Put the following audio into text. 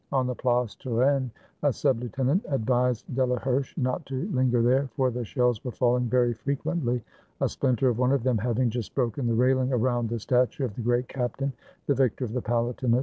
On the Place Turenne a sub lieutenant advised Delaherche not to linger there, for the shells were falling very frequently, a splinter of one of them having just broken the railing around the statue of the great captain, the victor of the Palatinate.